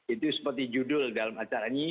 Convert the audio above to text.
itu seperti judul dalam acara ini